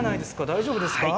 大丈夫ですか？